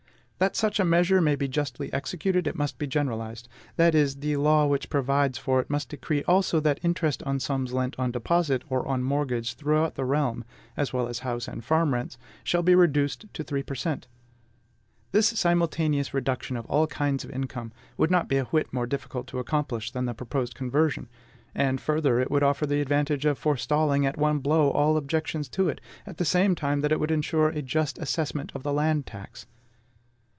That such a measure may be justly executed, it must be generalized; that is, the law which provides for it must decree also that interest on sums lent on deposit or on mortgage throughout the realm, as well as house and farm rents, shall be reduced to three per cent. This simultaneous reduction of all kinds of income would be not a whit more difficult to accomplish than the proposed conversion; and, further, it would offer the advantage of forestalling at one blow all objections to it, at the same time that it would insure a just assessment of the land tax.